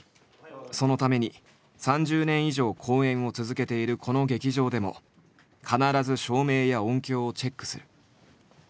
そのために３０年以上公演を続けているこの劇場でも必ず照明や音響をチェックする。